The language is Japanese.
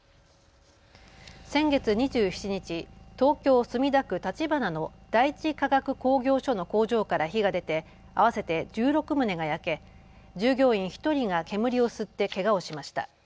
先月２７日、東京墨田区立花の第一化学工業所の工場から火が出て合わせて１６棟が焼け従業員１人が煙を吸ってけがをしました。